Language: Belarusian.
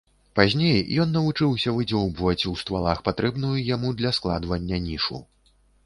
Пазней ён навучыўся выдзёўбваць ў ствалах патрэбную яму для складавання нішу.